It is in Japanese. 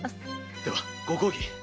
ではご公儀へ。